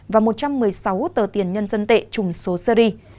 và một mươi sáu tờ tiền nhân dân tệ trùng số seri